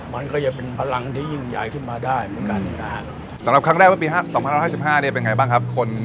มันก็จะเป็นพลังที่ยิ่งใหญ่ขึ้นมาได้เหมือนกันนะครับ